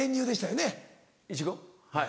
はい。